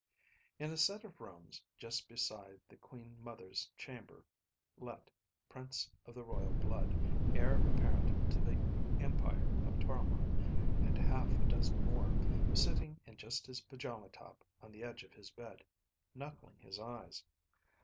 In a set of rooms just beside the queen mother's chamber, Let, Prince of the Royal Blood, Heir Apparent to the Empire of Toromon, and half a dozen more, was sitting in just his pajama top on the edge of his bed, knuckling his eyes.